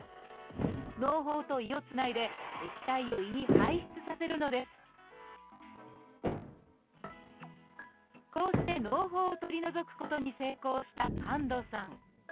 のう胞と胃をつないで液体を胃に排出させるのですこうしてのう胞を取り除くことに成功した神門さん。